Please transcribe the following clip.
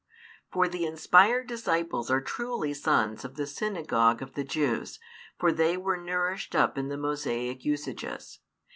For the inspired disciples are truly sons of the synagogue of the Jews, for they were nourished up in the Mosaic usages.